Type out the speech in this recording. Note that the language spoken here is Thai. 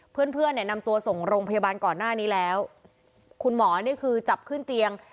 เพื่อนเพื่อนเนี่ยนำตัวส่งโรงพยาบาลก่อนหน้านี้แล้วคุณหมอนี่คือจับขึ้นเตียง